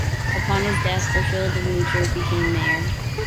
Upon his death, Erchinoald of Neustria became mayor.